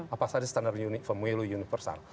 apa saja standar pemilu universal